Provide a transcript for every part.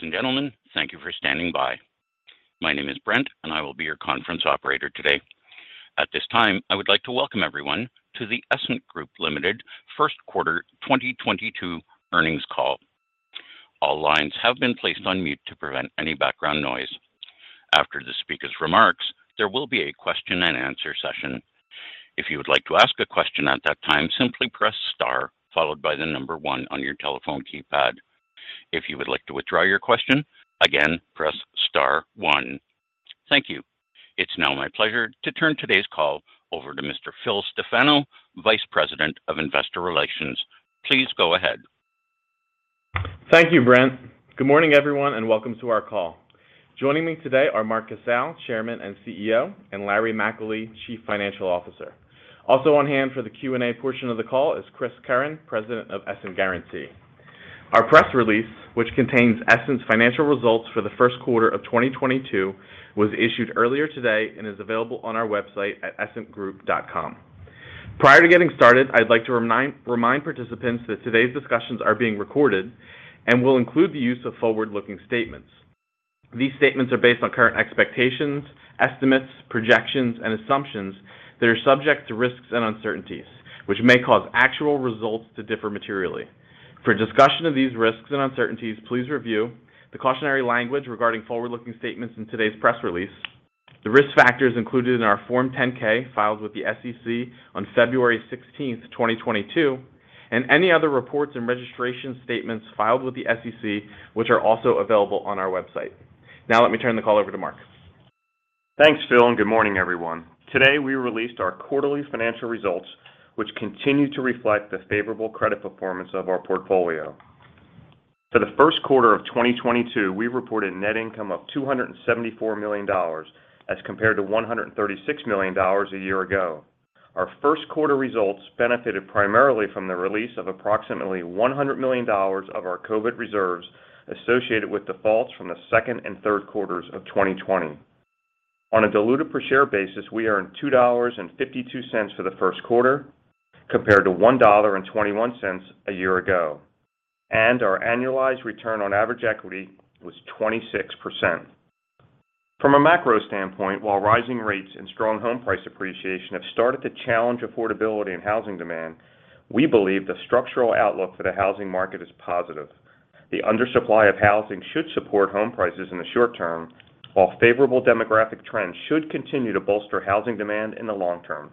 Ladies and gentlemen, thank you for standing by. My name is Brent, and I will be your conference operator today. At this time, I would like to welcome everyone to the Essent Group Ltd. First Quarter 2022 earnings call. All lines have been placed on mute to prevent any background noise. After the speaker's remarks, there will be a question-and-answer session. If you would like to ask a question at that time, simply press star followed by the number one on your telephone keypad. If you would like to withdraw your question, again, press star one. Thank you. It's now my pleasure to turn today's call over to Mr. Phil Stefano, Vice President of Investor Relations. Please go ahead. Thank you, Brent. Good morning, everyone, and welcome to our call. Joining me today are Mark Casale, Chairman and CEO, and Larry McAlee, Chief Financial Officer. Also on hand for the Q&A portion of the call is Chris Curran, President of Essent Guaranty. Our press release, which contains Essent's financial results for the first quarter of 2022, was issued earlier today and is available on our website at essentgroup.com. Prior to getting started, I'd like to remind participants that today's discussions are being recorded and will include the use of forward-looking statements. These statements are based on current expectations, estimates, projections, and assumptions that are subject to risks and uncertainties, which may cause actual results to differ materially. For a discussion of these risks and uncertainties, please review the cautionary language regarding forward-looking statements in today's press release, the risk factors included in our Form 10-K filed with the SEC on February 16, 2022, and any other reports and registration statements filed with the SEC, which are also available on our website. Now let me turn the call over to Mark. Thanks, Phil, and good morning, everyone. Today we released our quarterly financial results, which continue to reflect the favorable credit performance of our portfolio. For the first quarter of 2022, we reported net income of $274 million as compared to $136 million a year ago. Our first quarter results benefited primarily from the release of approximately $100 million of our COVID reserves associated with defaults from the second and third quarters of 2020. On a diluted per share basis, we earned $2.52 for the first quarter compared to $1.21 a year ago, and our annualized return on average equity was 26%. From a macro standpoint, while rising rates and strong home price appreciation have started to challenge affordability and housing demand, we believe the structural outlook for the housing market is positive. The undersupply of housing should support home prices in the short term, while favorable demographic trends should continue to bolster housing demand in the long term.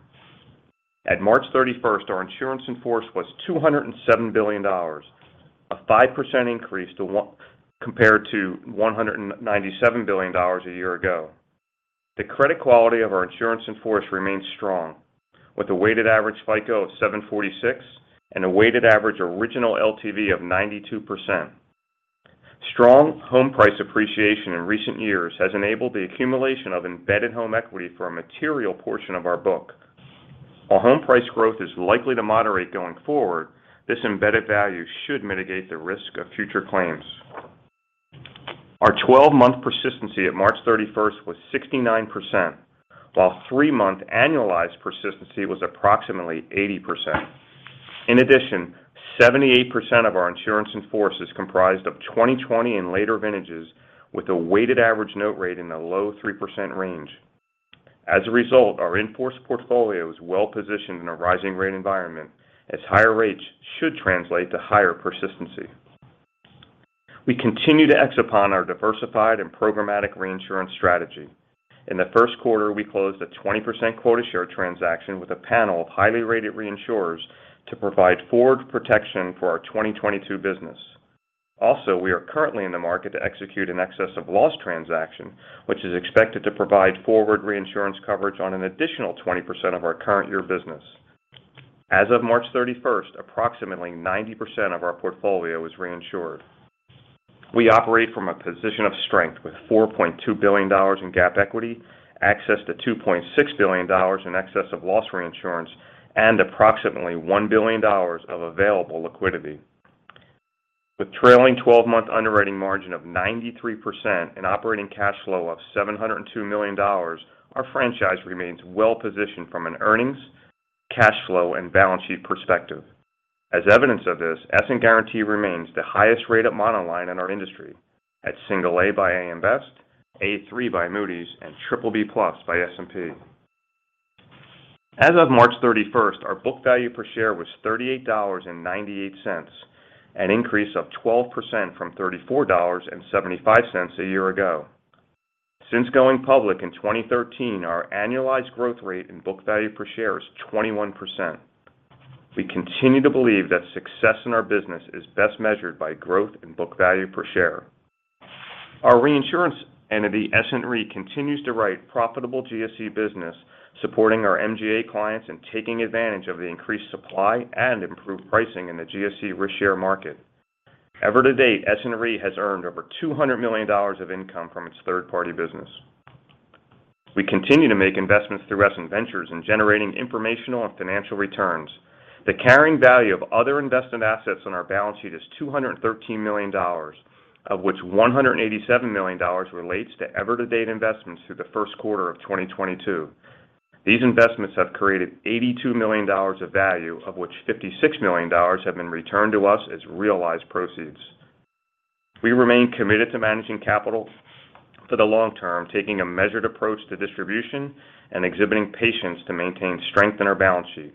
At March 31st, our insurance in force was $207 billion, a 5% increase compared to $197 billion a year ago. The credit quality of our insurance in force remains strong, with a weighted average FICO of 746 and a weighted average original LTV of 92%. Strong home price appreciation in recent years has enabled the accumulation of embedded home equity for a material portion of our book. While home price growth is likely to moderate going forward, this embedded value should mitigate the risk of future claims. Our 12-month persistency at March 31st was 69%, while 3-month annualized persistency was approximately 80%. In addition, 78% of our insurance in force is comprised of 2020 and later vintages with a weighted average note rate in the low 3% range. As a result, our in-force portfolio is well positioned in a rising rate environment as higher rates should translate to higher persistency. We continue to act upon our diversified and programmatic reinsurance strategy. In the first quarter, we closed a 20% quota share transaction with a panel of highly rated reinsurers to provide forward protection for our 2022 business. We are currently in the market to execute an excess of loss transaction, which is expected to provide forward reinsurance coverage on an additional 20% of our current year business. As of March 31st, approximately 90% of our portfolio is reinsured. We operate from a position of strength with $4.2 billion in GAAP equity, access to $2.6 billion in excess of loss reinsurance, and approximately $1 billion of available liquidity. With trailing 12-month underwriting margin of 93% and operating cash flow of $702 million, our franchise remains well positioned from an earnings, cash flow, and balance sheet perspective. As evidence of this, Essent Guaranty remains the highest rated monoline in our industry at A by AM Best, A3 by Moody's, and BBB+ by S&P. As of March 31, our book value per share was $38.98, an increase of 12% from $34.75 a year ago. Since going public in 2013, our annualized growth rate in book value per share is 21%. We continue to believe that success in our business is best measured by growth in book value per share. Our reinsurance entity, Essent Re, continues to write profitable GSE business, supporting our MGA clients and taking advantage of the increased supply and improved pricing in the GSE risk share market. Year to date, Essent Re has earned over $200 million of income from its third-party business. We continue to make investments through Essent Ventures in generating informational and financial returns. The carrying value of other investment assets on our balance sheet is $213 million, of which $187 million relates to year to date investments through the first quarter of 2022. These investments have created $82 million of value, of which $56 million have been returned to us as realized proceeds. We remain committed to managing capital for the long term, taking a measured approach to distribution and exhibiting patience to maintain strength in our balance sheet.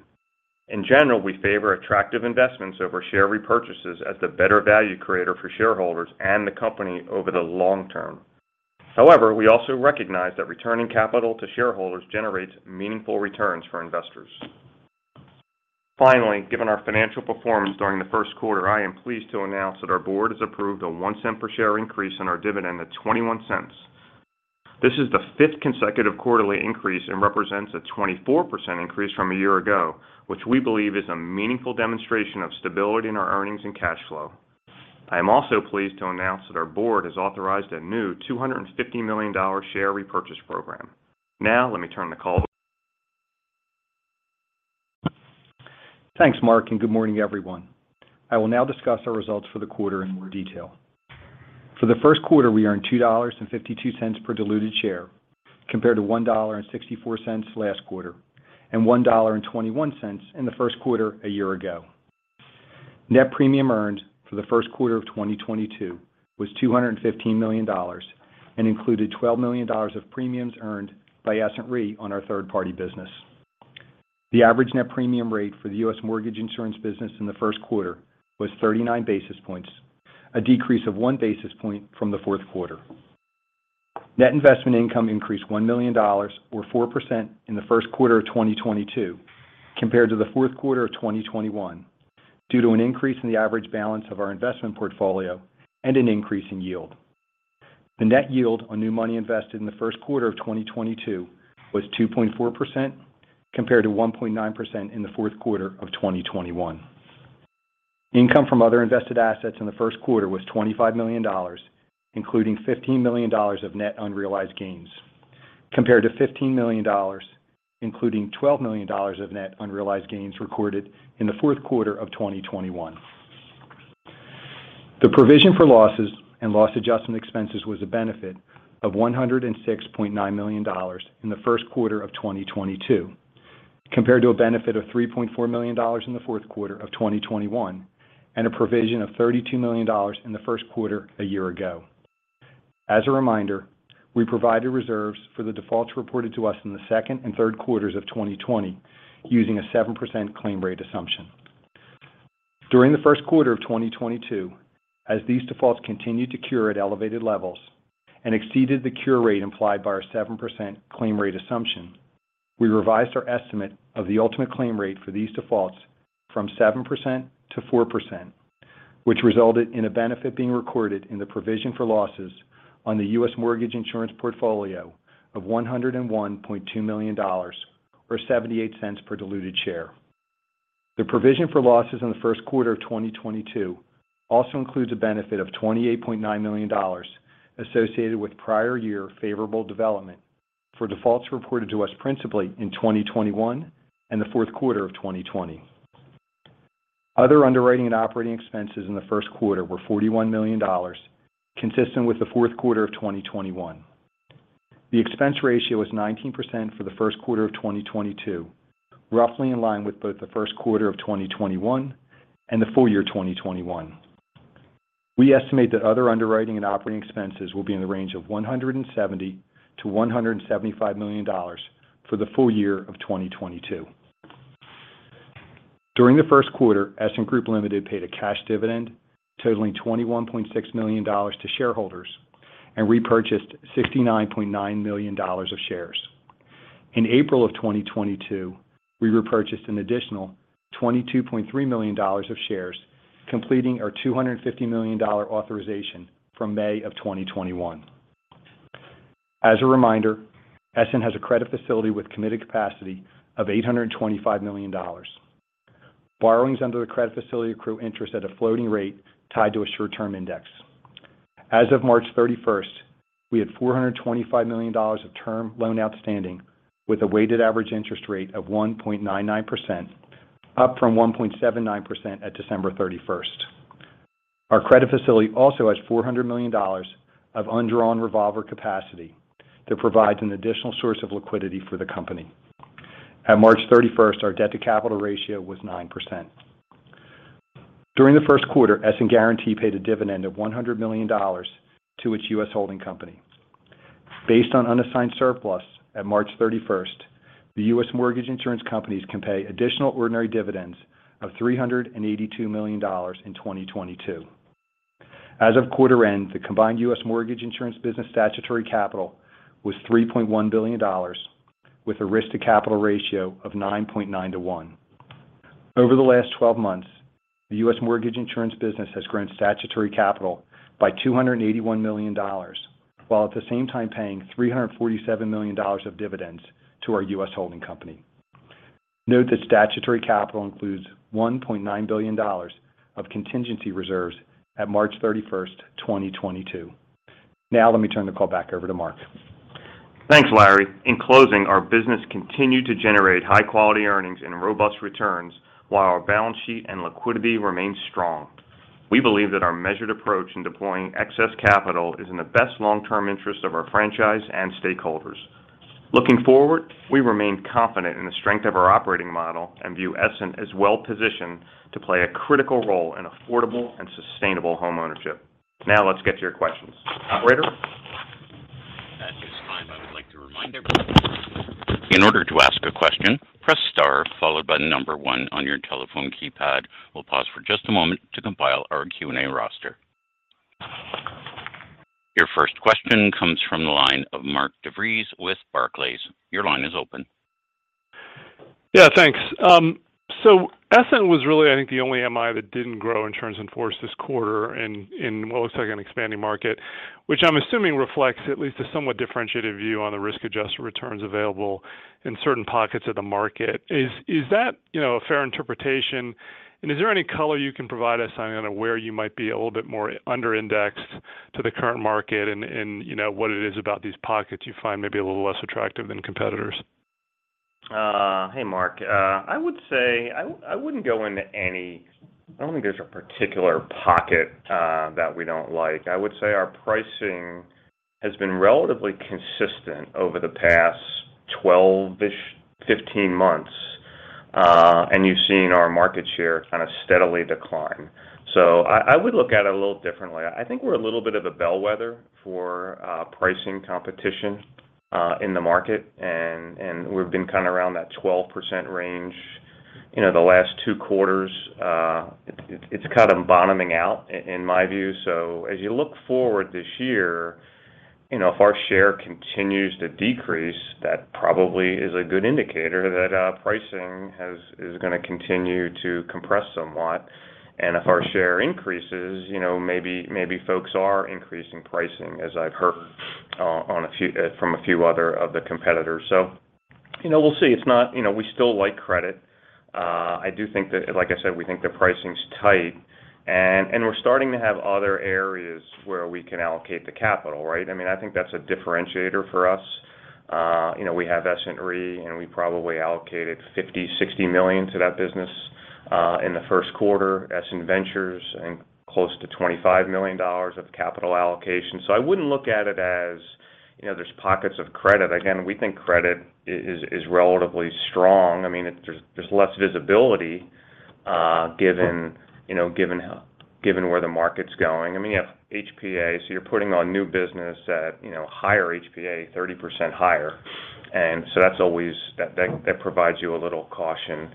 In general, we favor attractive investments over share repurchases as the better value creator for shareholders and the company over the long term. However, we also recognize that returning capital to shareholders generates meaningful returns for investors. Finally, given our financial performance during the first quarter, I am pleased to announce that our board has approved a $0.01 per share increase in our dividend to $0.21. This is the fifth consecutive quarterly increase and represents a 24% increase from a year ago, which we believe is a meaningful demonstration of stability in our earnings and cash flow. I am also pleased to announce that our board has authorized a new $250 million share repurchase program. Now let me turn the call. Thanks, Mark, and good morning, everyone. I will now discuss our results for the quarter in more detail. For the first quarter, we earned $2.52 per diluted share compared to $1.64 last quarter, and $1.21 in the first quarter a year ago. Net premium earned for the first quarter of 2022 was $215 million and included $12 million of premiums earned by Essent Re on our third-party business. The average net premium rate for the U.S. mortgage insurance business in the first quarter was 39 basis points, a decrease of 1 basis point from the fourth quarter. Net investment income increased $1 million or 4% in the first quarter of 2022 compared to the fourth quarter of 2021 due to an increase in the average balance of our investment portfolio and an increase in yield. The net yield on new money invested in the first quarter of 2022 was 2.4% compared to 1.9% in the fourth quarter of 2021. Income from other invested assets in the first quarter was $25 million, including $15 million of net unrealized gains, compared to $15 million, including $12 million of net unrealized gains recorded in the fourth quarter of 2021. The provision for losses and loss adjustment expenses was a benefit of $106.9 million in the first quarter of 2022, compared to a benefit of $3.4 million in the fourth quarter of 2021, and a provision of $32 million in the first quarter a year ago. As a reminder, we provided reserves for the defaults reported to us in the second and third quarters of 2020, using a 7% claim rate assumption. During the first quarter of 2022, as these defaults continued to cure at elevated levels and exceeded the cure rate implied by our 7% claim rate assumption, we revised our estimate of the ultimate claim rate for these defaults from 7%-4%, which resulted in a benefit being recorded in the provision for losses on the U.S. mortgage insurance portfolio of $101.2 million or $0.78 per diluted share. The provision for losses in the first quarter of 2022 also includes a benefit of $28.9 million associated with prior year favorable development for defaults reported to us principally in 2021 and the fourth quarter of 2020. Other underwriting and operating expenses in the first quarter were $41 million, consistent with the fourth quarter of 2021. The expense ratio was 19% for the first quarter of 2022, roughly in line with both the first quarter of 2021 and the full year 2021. We estimate that other underwriting and operating expenses will be in the range of $170 million-$175 million for the full year of 2022. During the first quarter, Essent Group Ltd. paid a cash dividend totaling $21.6 million to shareholders and repurchased $69.9 million of shares. In April of 2022, we repurchased an additional $22.3 million of shares, completing our $250 million authorization from May of 2021. As a reminder, Essent has a credit facility with committed capacity of $825 million. Borrowings under the credit facility accrue interest at a floating rate tied to a short-term index. As of March 31st, we had $425 million of term loan outstanding with a weighted average interest rate of 1.99%, up from 1.79% at December 31st. Our credit facility also has $400 million of undrawn revolver capacity that provides an additional source of liquidity for the company. At March 31st, our debt to capital ratio was 9%. During the first quarter, Essent Guaranty paid a dividend of $100 million to its U.S. holding company. Based on unassigned surplus at March 31st, the U.S. mortgage insurance companies can pay additional ordinary dividends of $382 million in 2022. As of quarter end, the combined U.S. mortgage insurance business statutory capital was $3.1 billion, with a risk-to-capital ratio of 9.9 to 1. Over the last twelve months, the U.S. mortgage insurance business has grown statutory capital by $281 million, while at the same time paying $347 million of dividends to our U.S. holding company. Note that statutory capital includes $1.9 billion of contingency reserves at March 31, 2022. Now let me turn the call back over to Mark. Thanks, Larry. In closing, our business continued to generate high quality earnings and robust returns while our balance sheet and liquidity remain strong. We believe that our measured approach in deploying excess capital is in the best long-term interest of our franchise and stakeholders. Looking forward, we remain confident in the strength of our operating model and view Essent as well-positioned to play a critical role in affordable and sustainable homeownership. Now let's get to your questions. Operator? At this time, I would like to remind everybody, in order to ask a question, press star followed by the number one on your telephone keypad. We'll pause for just a moment to compile our Q&A roster. Your first question comes from the line of Mark DeVries with Barclays. Your line is open. Yeah, thanks. So Essent was really, I think, the only MI that didn't grow insurance in force this quarter in what looks like an expanding market, which I'm assuming reflects at least a somewhat differentiated view on the risk-adjusted returns available in certain pockets of the market. Is that, you know, a fair interpretation? And is there any color you can provide us on, you know, where you might be a little bit more under indexed to the current market and you know, what it is about these pockets you find maybe a little less attractive than competitors? Hey, Mark. I wouldn't go into any. I don't think there's a particular pocket that we don't like. I would say our pricing has been relatively consistent over the past 12-ish, 15 months, and you've seen our market share kind of steadily decline. I would look at it a little differently. I think we're a little bit of a bellwether for pricing competition in the market, and we've been kind of around that 12% range, you know, the last two quarters. It's kind of bottoming out in my view. As you look forward this year, you know, if our share continues to decrease, that probably is a good indicator that pricing is gonna continue to compress somewhat. If our share increases, you know, maybe folks are increasing pricing, as I've heard from a few other of the competitors. You know, we'll see. It's not you know, we still like credit. I do think that, like I said, we think the pricing's tight, and we're starting to have other areas where we can allocate the capital, right? I mean, I think that's a differentiator for us. You know, we have Essent Re, and we probably allocated $50-60 million to that business in the first quarter, Essent Ventures, and close to $25 million of capital allocation. I wouldn't look at it as, you know, there's pockets of credit. Again, we think credit is relatively strong. I mean, there's less visibility given where the market's going. I mean, you have HPA, so you're putting on new business at, you know, higher HPA, 30% higher. That's always, that provides you a little caution.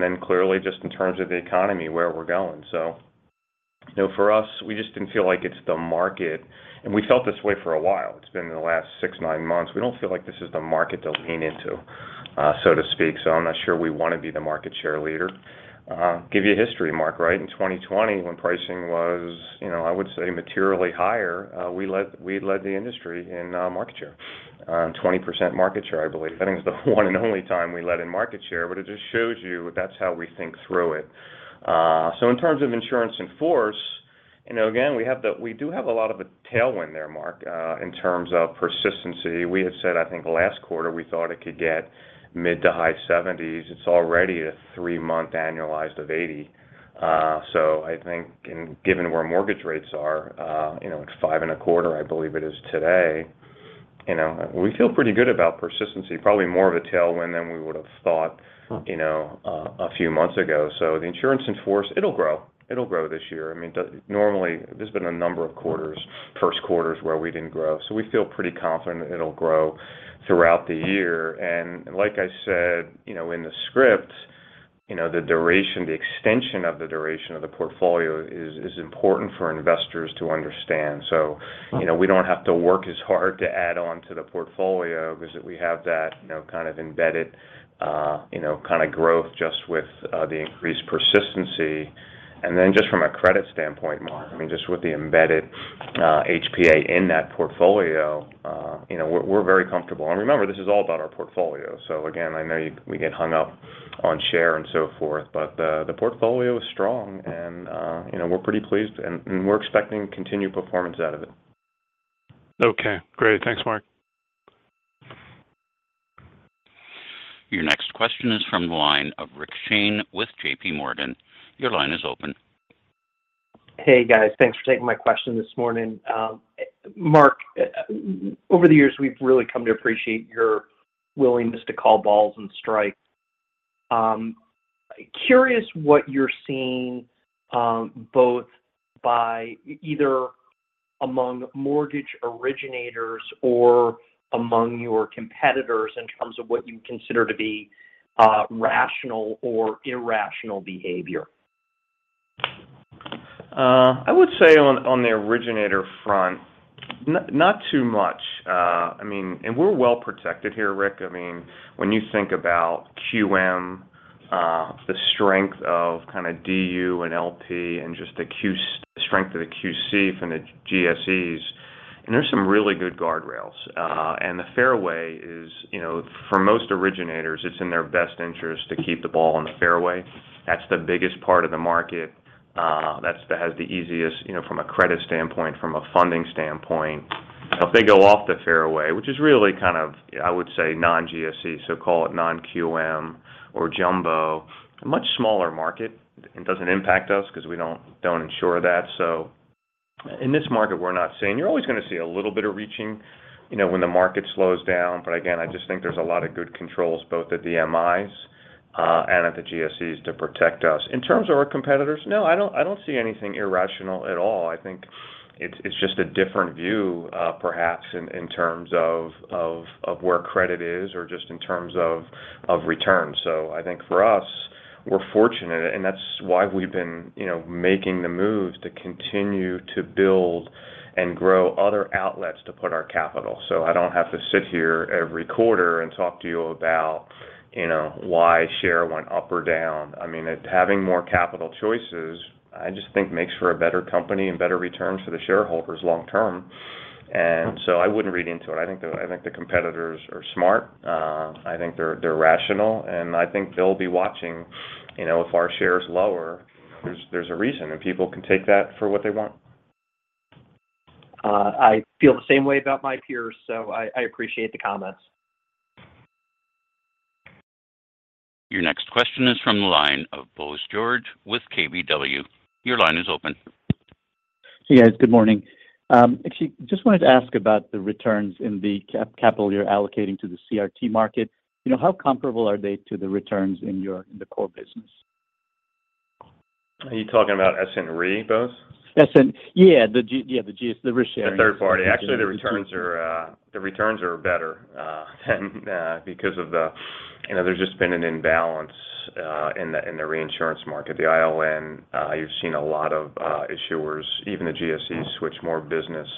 Then clearly, just in terms of the economy, where we're going. You know, for us, we just didn't feel like it's the market. We felt this way for a while. It's been the last six, nine months. We don't feel like this is the market to lean into, so to speak. I'm not sure we want to be the market share leader. Give you a history, Mark, right? In 2020, when pricing was, you know, I would say materially higher, we led the industry in market share. 20% market share, I believe. I think it's the one and only time we led in market share, but it just shows you that's how we think through it. In terms of insurance in force, you know, again, we do have a lot of a tailwind there, Mark, in terms of persistency. We had said, I think last quarter, we thought it could get mid- to high 70s. It's already a three-month annualized of 80%. I think given where mortgage rates are, you know, it's 5.25%, I believe it is today. You know, we feel pretty good about persistency, probably more of a tailwind than we would've thought, you know, a few months ago. The insurance in force, it'll grow. It'll grow this year. I mean, normally, there's been a number of quarters, first quarters, where we didn't grow. We feel pretty confident it'll grow throughout the year. Like I said, you know, in the script, you know, the duration, the extension of the duration of the portfolio is important for investors to understand. You know, we don't have to work as hard to add on to the portfolio because we have that, you know, kind of embedded, you know, kind of growth just with the increased persistency. Then just from a credit standpoint, Mark, I mean, just with the embedded HPA in that portfolio, you know, we're very comfortable. Remember, this is all about our portfolio. Again, I know we get hung up on share and so forth, but the portfolio is strong and, you know, we're pretty pleased and we're expecting continued performance out of it. Okay, great. Thanks, Mark. Your next question is from the line of Rick Shane with JP Morgan. Your line is open. Hey, guys. Thanks for taking my question this morning. Mark, over the years, we've really come to appreciate your willingness to call balls and strikes. Curious what you're seeing, both by either among mortgage originators or among your competitors in terms of what you consider to be rational or irrational behavior. I would say on the originator front, not too much. I mean, we're well protected here, Rick. I mean, when you think about QM, the strength of kinda DU and LP and just the strength of the QC from the GSEs, and there's some really good guardrails. The fairway is, you know, for most originators, it's in their best interest to keep the ball on the fairway. That's the biggest part of the market, that's has the easiest, you know, from a credit standpoint, from a funding standpoint. If they go off the fairway, which is really kind of, I would say non-GSE, so call it non-QM or jumbo, a much smaller market. It doesn't impact us because we don't insure that. So in this market, we're not seeing. You're always going to see a little bit of reaching, you know, when the market slows down. But again, I just think there's a lot of good controls both at the MIs and at the GSEs to protect us. In terms of our competitors, no, I don't see anything irrational at all. I think it's just a different view, perhaps in terms of where credit is or just in terms of returns. I think for us, we're fortunate, and that's why we've been, you know, making the moves to continue to build and grow other outlets to put our capital. I don't have to sit here every quarter and talk to you about, you know, why share went up or down. I mean, having more capital choices, I just think makes for a better company and better returns for the shareholders long term. I wouldn't read into it. I think the competitors are smart. I think they're rational, and I think they'll be watching, you know, if our share is lower, there's a reason, and people can take that for what they want. I feel the same way about my peers, so I appreciate the comments. Your next question is from the line of Bose George with KBW. Your line is open. Hey, guys. Good morning. Actually, just wanted to ask about the returns in the capital you're allocating to the CRT market. You know, how comparable are they to the returns in the core business? Are you talking about Essent Re, Bose? Essent? Yeah, the GSE, the risk-sharing. The third party. Actually, the returns are better because of the. You know, there's just been an imbalance in the reinsurance market. The ILN, you've seen a lot of issuers, even the GSE switch more business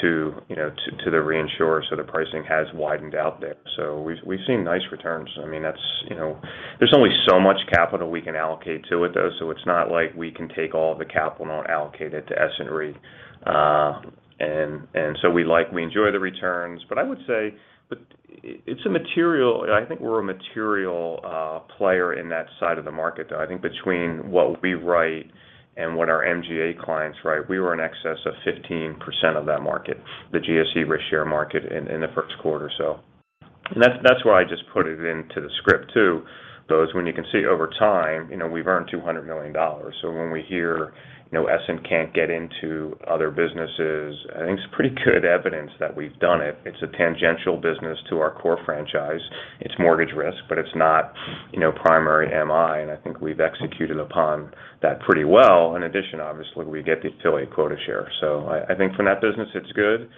to, you know, to the reinsurer, so the pricing has widened out there. We've seen nice returns. I mean, that's, you know. There's only so much capital we can allocate to it, though, so it's not like we can take all the capital not allocated to Essent Re. We enjoy the returns. I would say it's a material. I think we're a material player in that side of the market, though. I think between what we write and what our MGA clients write, we were in excess of 15% of that market, the GSE risk share market in the first quarter. That's why I just put it into the script too, Bose. When you can see over time, you know, we've earned $200 million. When we hear, you know, Essent can't get into other businesses, I think it's pretty good evidence that we've done it. It's a tangential business to our core franchise. It's mortgage risk, but it's not, you know, primary MI, and I think we've executed upon that pretty well. In addition, obviously, we get the affiliate quota share. I think from that business, it's good,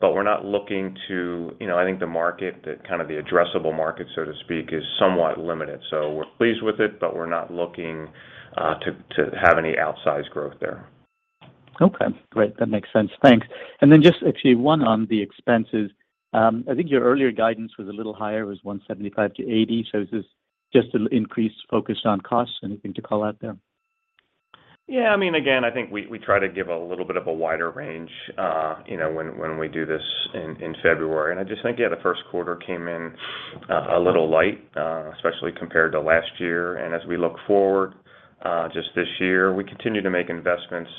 but we're not looking to. You know, I think the market, the kind of the addressable market, so to speak, is somewhat limited. We're pleased with it, but we're not looking to have any outsized growth there. Okay. Great. That makes sense. Thanks. Just actually one on the expenses. I think your earlier guidance was a little higher. It was $175-$180. Is this just an increased focus on costs? Anything to call out there? Yeah, I mean, again, I think we try to give a little bit of a wider range, you know, when we do this in February. I just think, yeah, the first quarter came in a little light, especially compared to last year. As we look forward, just this year, we continue to make investments,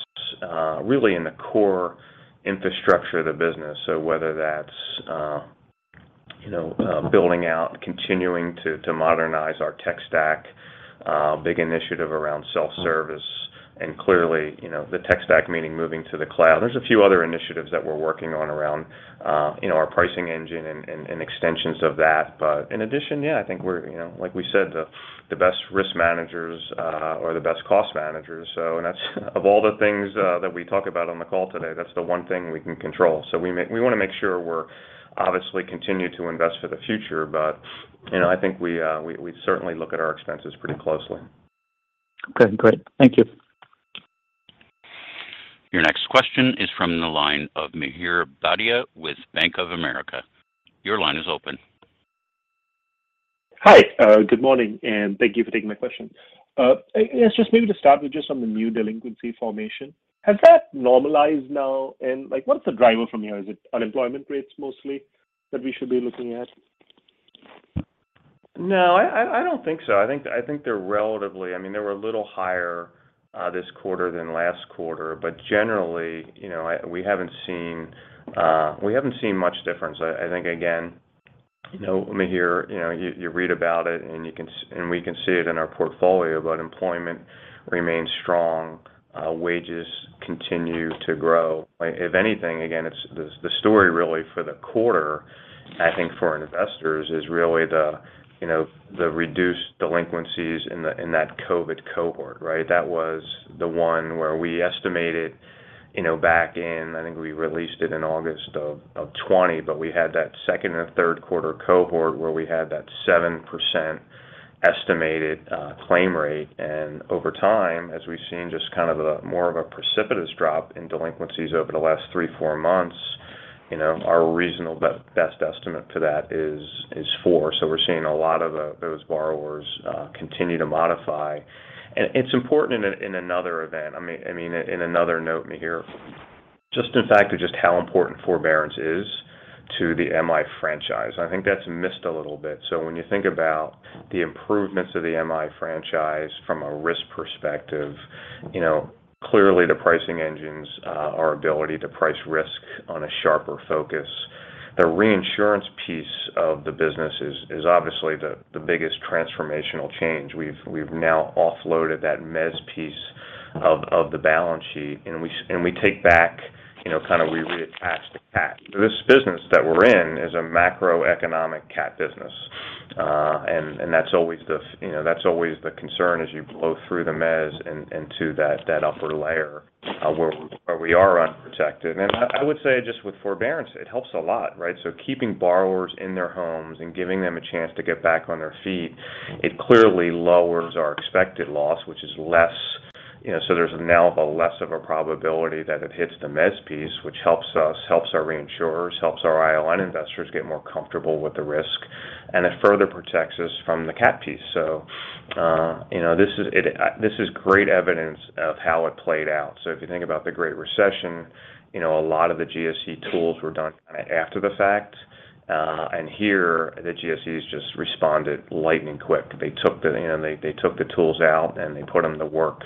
really in the core infrastructure of the business. Whether that's, you know, building out, continuing to modernize our tech stack, big initiative around self-service and clearly, you know, the tech stack meaning moving to the cloud. There's a few other initiatives that we're working on around, you know, our pricing engine and extensions of that. In addition, yeah, I think we're, you know, like we said, the best risk managers are the best cost managers. That's of all the things that we talk about on the call today, that's the one thing we can control. We wanna make sure we're obviously continue to invest for the future. You know, I think we certainly look at our expenses pretty closely. Okay, great. Thank you. Your next question is from the line of Mihir Bhatia with Bank of America. Your line is open. Hi. Good morning, and thank you for taking my question. Just maybe to start with just on the new delinquency formation, has that normalized now? Like, what's the driver from here? Is it unemployment rates mostly that we should be looking at? No, I don't think so. I think they're relatively. I mean, they were a little higher this quarter than last quarter. But generally, you know, we haven't seen much difference. I think again, you know, Mihir, you know, you read about it, and you can, and we can see it in our portfolio, but employment remains strong. Wages continue to grow. If anything, again, it's the story really for the quarter. I think for investors is really the, you know, the reduced delinquencies in that COVID cohort, right? That was the one where we estimated, you know, back in, I think we released it in August of 2020, but we had that second and third quarter cohort where we had that 7% estimated claim rate. Over time, as we've seen just kind of a more of a precipitous drop in delinquencies over the last three, four months, you know, our reasonable best estimate to that is four. We're seeing a lot of those borrowers continue to modify. It's important in another event. I mean, in another note, Mihir, just in fact to just how important forbearance is to the MI franchise. I think that's missed a little bit. When you think about the improvements of the MI franchise from a risk perspective, you know, clearly the pricing engines, our ability to price risk on a sharper focus. The reinsurance piece of the business is obviously the biggest transformational change. We've now offloaded that mezz piece of the balance sheet, and we take back, you know, kind of reattach the cat. This business that we're in is a macroeconomic cat business. That's always the concern as you blow through the mezz and to that upper layer where we are unprotected. I would say just with forbearance, it helps a lot, right? Keeping borrowers in their homes and giving them a chance to get back on their feet, it clearly lowers our expected loss, which is less. You know, there's now a less of a probability that it hits the mezz piece, which helps us, helps our reinsurers, helps our ILN investors get more comfortable with the risk. It further protects us from the cat piece. You know, this is great evidence of how it played out. If you think about the Great Recession, you know, a lot of the GSE tools were done kinda after the fact. Here, the GSE has just responded lightning quick. You know, they took the tools out, and they put them to work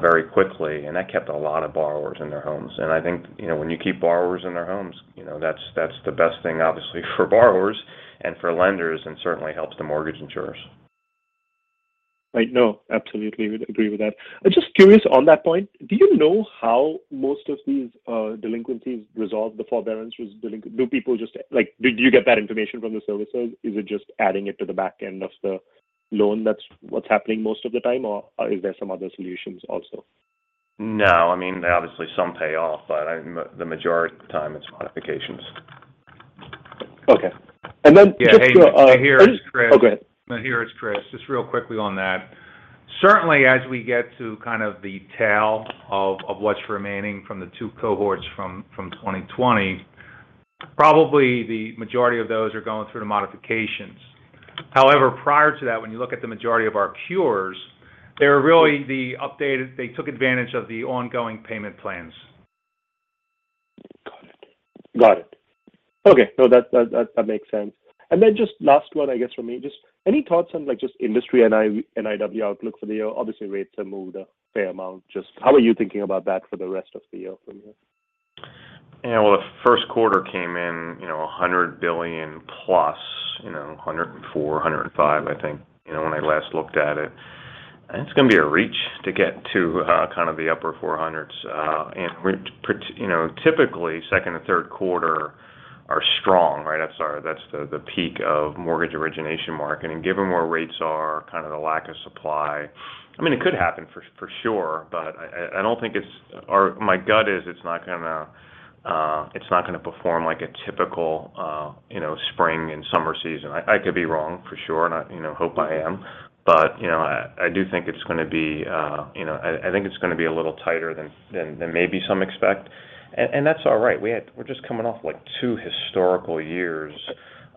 very quickly, and that kept a lot of borrowers in their homes. I think, you know, when you keep borrowers in their homes, you know, that's the best thing, obviously, for borrowers and for lenders and certainly helps the mortgage insurers. Right. No, absolutely, would agree with that. Just curious on that point, do you know how most of these delinquencies resolve? The forbearance was delinquent? Do you get that information from the servicers? Is it just adding it to the back end of the loan that's what's happening most of the time, or are there some other solutions also? No. I mean, obviously some pay off, but I'm, the majority of the time it's modifications. Okay. Just to, Yeah. Hey, it's Chris. Oh, go ahead. Here, it's Chris. Just real quickly on that. Certainly, as we get to kind of the tail of what's remaining from the two cohorts from 2020, probably the majority of those are going through the modifications. However, prior to that, when you look at the majority of our cures, they're really the updated, they took advantage of the ongoing payment plans. Got it. Okay. No, that makes sense. Just last one, I guess, from me. Just any thoughts on, like, just industry NIW outlook for the year? Obviously, rates have moved a fair amount. Just how are you thinking about that for the rest of the year from here? Yeah. Well, the first quarter came in, you know, $100 billion plus, you know, 104, 105, I think, you know, when I last looked at it. It's gonna be a reach to get to kind of the upper 400s. You know, typically second and third quarter are strong, right? That's our, that's the peak of the mortgage origination market. Given where rates are, kind of the lack of supply, I mean, it could happen for sure, but I don't think it's or my gut is it's not gonna perform like a typical, you know, spring and summer season. I could be wrong for sure, and I, you know, hope I am. You know, I do think it's gonna be, you know. I think it's gonna be a little tighter than maybe some expect. That's all right. We're just coming off, like, two historical years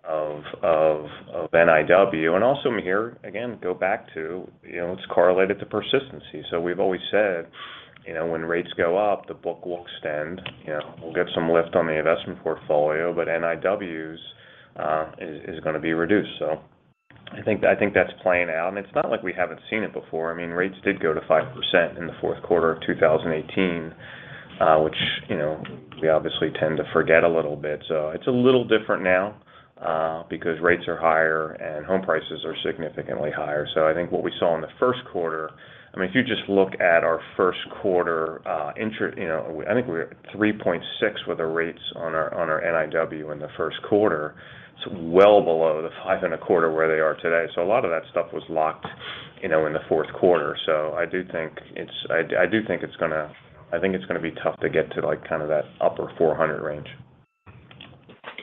of NIW. Also here, again, go back to, you know, it's correlated to persistency. We've always said, you know, when rates go up, the book will extend. You know, we'll get some lift on the investment portfolio, but NIWs is gonna be reduced. I think that's playing out. It's not like we haven't seen it before. I mean, rates did go to 5% in the fourth quarter of 2018, which, you know, we obviously tend to forget a little bit. It's a little different now, because rates are higher and home prices are significantly higher. I think what we saw in the first quarter, I mean, if you just look at our first quarter, you know, I think we're at 3.6 with the rates on our NIW in the first quarter. It's well below the 5.25 where they are today. A lot of that stuff was locked, you know, in the fourth quarter. I do think it's gonna be tough to get to, like, kind of that upper 400 range.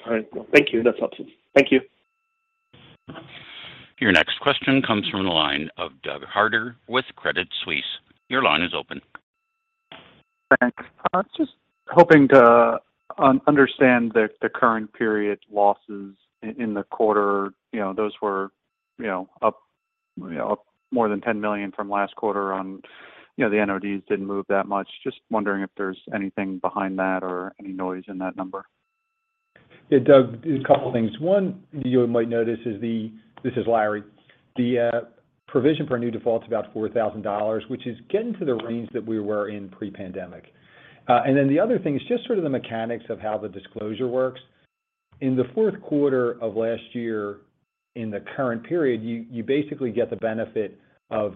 All right. Well, thank you. That's helpful. Thank you. Your next question comes from the line of Douglas Harter with Credit Suisse. Your line is open. Thanks. I was just hoping to understand the current period losses in the quarter. You know, those were up more than $10 million from last quarter on. You know, the NODs didn't move that much. Just wondering if there's anything behind that or any noise in that number. Yeah, Doug, a couple things. One, you might notice. This is Larry. The provision for new default is about $4,000, which is getting to the range that we were in pre-pandemic. The other thing is just sort of the mechanics of how the disclosure works. In the fourth quarter of last year, in the current period, you basically get the benefit of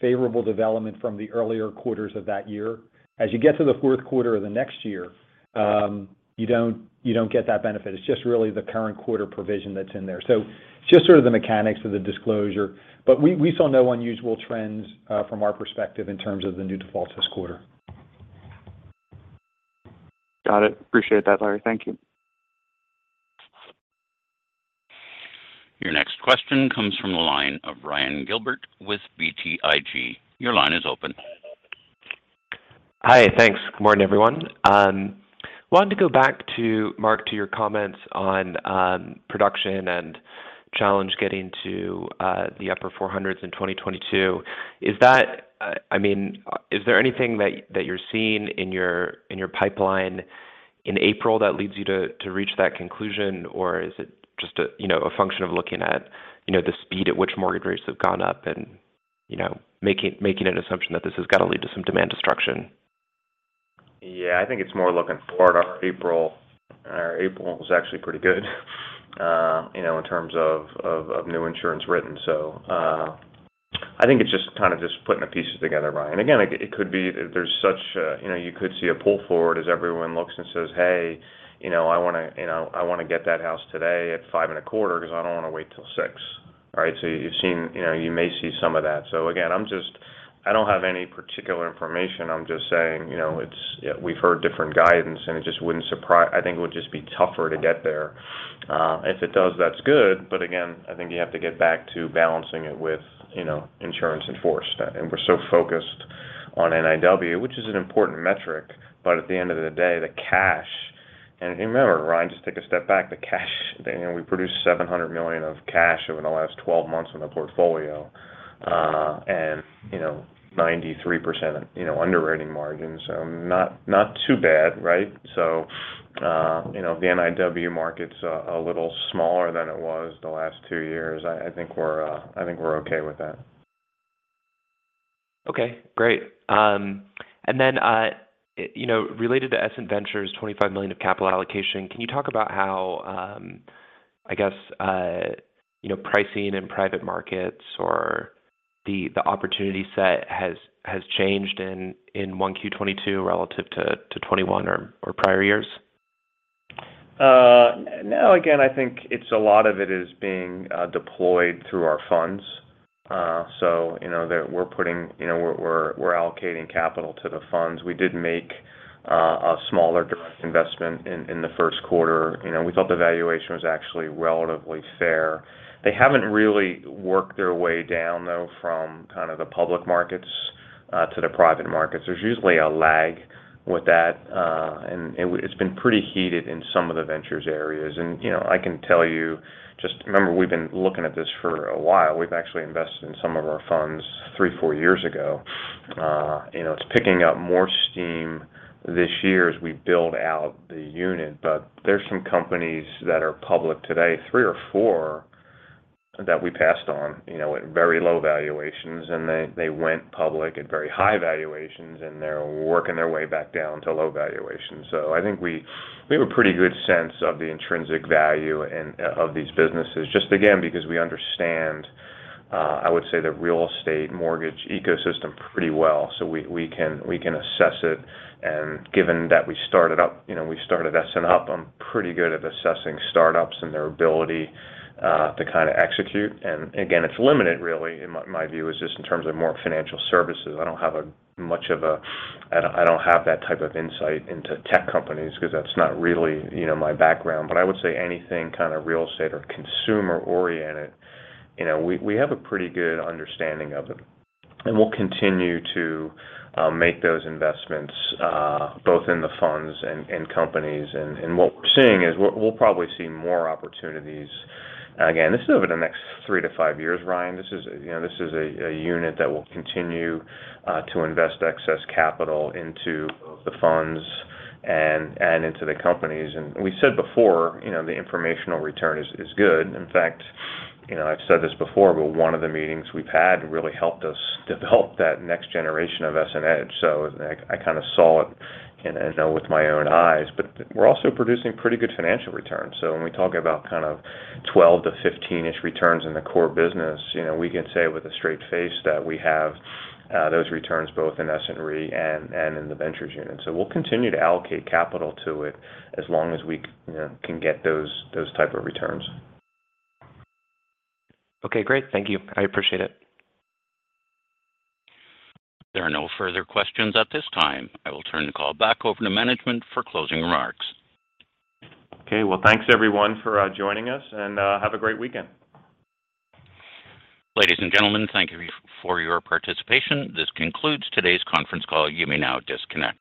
favorable development from the earlier quarters of that year. As you get to the fourth quarter of the next year, you don't get that benefit. It's just really the current quarter provision that's in there. Just sort of the mechanics of the disclosure. We saw no unusual trends from our perspective in terms of the new defaults this quarter. Got it. Appreciate that, Larry. Thank you. Your next question comes from the line of Ryan Gilbert with BTIG. Your line is open. Hi. Thanks. Good morning, everyone. Wanted to go back to, Mark, to your comments on, production and challenge getting to the upper 400s in 2022. I mean, is there anything that you're seeing in your pipeline in April that leads you to reach that conclusion? Is it just a you know a function of looking at you know the speed at which mortgage rates have gone up and you know making an assumption that this has got to lead to some demand destruction? Yeah. I think it's more looking forward. Our April was actually pretty good, you know, in terms of new insurance written. I think it's just kind of putting the pieces together, Ryan. Again, it could be there's such a. You know, you could see a pull forward as everyone looks and says, "Hey, you know, I wanna get that house today at 5.25% 'cause I don't wanna wait till 6%." All right. You may see some of that. Again, I don't have any particular information. I'm just saying, you know, it's. We've heard different guidance, and I think it would just be tougher to get there. If it does, that's good. Again, I think you have to get back to balancing it with, you know, insurance in force. We're so focused on NIW, which is an important metric. At the end of the day, the cash. Remember, Ryan, just take a step back. The cash, you know, we produced $700 million of cash over the last 12 months in the portfolio, and, you know, 93%, you know, underwriting margin. So not too bad, right? You know, the NIW market's a little smaller than it was the last two years. I think we're okay with that. Okay, great. You know, related to Essent Ventures' $25 million of capital allocation, can you talk about how, I guess, you know, pricing in private markets or the opportunity set has changed in 1Q 2022 relative to 2021 or prior years? No. Again, I think a lot of it is being deployed through our funds. So you know, we're allocating capital to the funds. We did make a smaller direct investment in the first quarter. You know, we thought the valuation was actually relatively fair. They haven't really worked their way down though from kind of the public markets to the private markets. There's usually a lag with that, and it's been pretty heated in some of the ventures areas. You know, I can tell you just. Remember, we've been looking at this for a while. We've actually invested in some of our funds three, four years ago. You know, it's picking up more steam this year as we build out the unit. There's some companies that are public today, three or four, that we passed on, you know, at very low valuations, and they went public at very high valuations, and they're working their way back down to low valuations. I think we have a pretty good sense of the intrinsic value and of these businesses just, again, because we understand, I would say, the real estate mortgage ecosystem pretty well. We can assess it. Given that we started up, you know, we started Essent up, I'm pretty good at assessing startups and their ability to kinda execute. Again, it's limited really. My view is just in terms of more financial services. I don't have much of a. I don't have that type of insight into tech companies 'cause that's not really, you know, my background. But I would say anything kind of real estate or consumer oriented, you know, we have a pretty good understanding of it. We'll continue to make those investments both in the funds and companies. What we're seeing is we'll probably see more opportunities. Again, this is over the next three to five years, Ryan. This is, you know, a unit that will continue to invest excess capital into the funds and into the companies. We said before, you know, the informational return is good. In fact, you know, I've said this before, but one of the meetings we've had really helped us develop that next generation of EssentEDGE. I kinda saw it in, you know, with my own eyes. We're also producing pretty good financial returns. When we talk about kind of 12-15-ish returns in the core business, you know, we can say with a straight face that we have those returns both in Essent Re and in the ventures unit. We'll continue to allocate capital to it as long as we, you know, can get those type of returns. Okay, great. Thank you. I appreciate it. There are no further questions at this time. I will turn the call back over to management for closing remarks. Okay. Well, thanks everyone for joining us, and have a great weekend. Ladies and gentlemen, thank you for your participation. This concludes today's conference call. You may now disconnect.